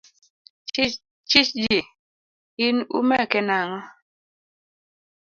Chich ji, in umeke nang'o?